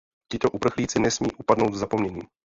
Tito uprchlíci nesmí upadnout v zapomnění.